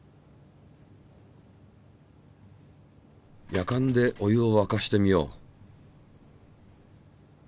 やかんでお湯をわかしてみよう。